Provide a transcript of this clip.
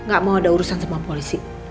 gak mau ada urusan sama polisi